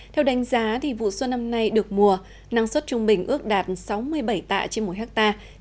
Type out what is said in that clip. theo đánh giá vụ xuân năm nay được mùa năng suất trung bình ước đạt sáu mươi bảy tạ trên một hectare